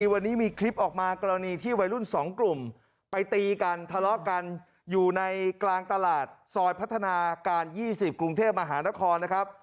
วันนี้มีคลิปออกมากรณีที่วัยรุ่น๒กลุ่มไปตีกันทะเลาะกันอยู่ในกลางตลาดซอยพัฒนาการ๒๐กรุงเทพมหานครนะครับ